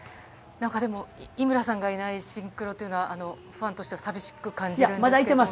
井村さんがいないシンクロというのは、ファンとしてはさみしく感じます。